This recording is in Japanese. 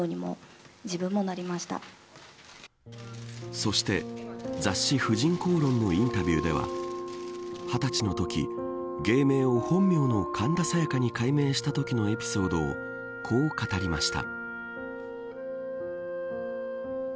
そして、雑誌婦人公論のインタビューでは２０歳のとき芸名を本名の神田沙也加に改名したときのエピソードをこう語りました。